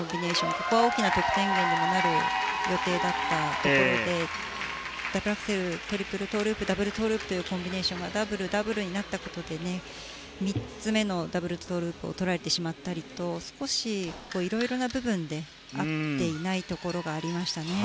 ここは大きな得点源にもなる予定だったところでダブルアクセルトリプルトウループダブルトウループというコンビネーションがダブル、ダブルになったことで３つ目のダブルトウループを取られてしまったりと少し色々な部分で合っていないところがありました。